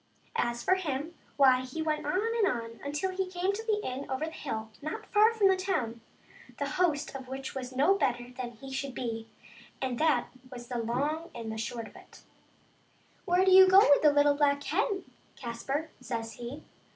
As for him, why, he went on and on until he came to the inn over the hill not far from the town, the host of which was no better than he should be, and that was the long and the short of it. 220 THE SIMPLETON AND HIS LITTLE BLACK HEN. '* Where do you go with the little black hen, Caspar?" says he.